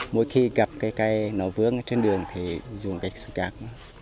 mỗi khi gặp cây cây nó vướng trên đường thì dùng cây sai cắt